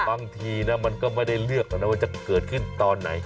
บางทีนะมันก็ไม่ได้เลือกหรอกนะว่าจะเกิดขึ้นตอนไหน